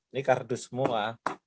nih kardus semua